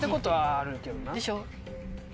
でしょ？